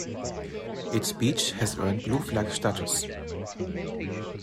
Its beach has earned Blue flag status.